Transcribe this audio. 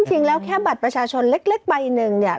จริงแล้วแค่บัตรประชาชนเล็กใบหนึ่งเนี่ย